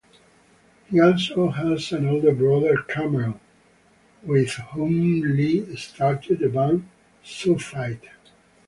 He also has an older brother, Cameron, with whom Lee started the band Zoophyte.